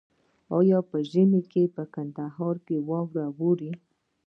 آیا په ژمي کې په کندهار کې واوره اوري؟